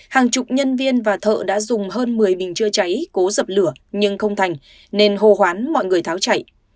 hàng chục nhân viên và thợ đã dùng hơn một mươi bình chữa cháy cố dập lửa nhưng không thành nên hô hoán mọi người tháo chạy